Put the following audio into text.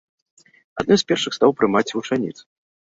Адным з першых стаў прымаць вучаніц.